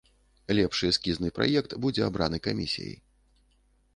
Лепшы эскізны праект будзе абраны камісіяй.